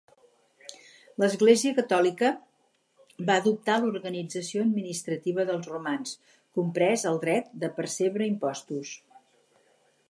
L'església catòlica va adoptar l'organització administrativa dels romans, comprès el dret de percebre impostos.